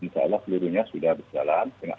seluruhnya sudah berjalan dengan